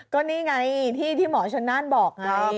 ก็นี่ไงที่หมอชนน่านบอกไง